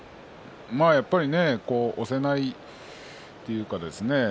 やっぱり押せないというかですね